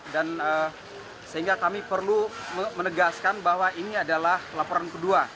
dan sehingga kami perlu menegaskan bahwa ini adalah laporan kedua